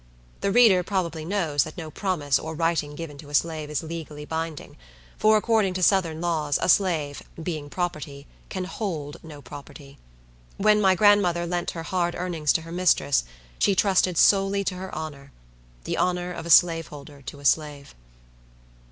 The reader probably knows that no promise or writing given to a slave is legally binding; for, according to Southern laws, a slave, being property, can hold no property. When my grandmother lent her hard earnings to her mistress, she trusted solely to her honor. The honor of a slaveholder to a slave!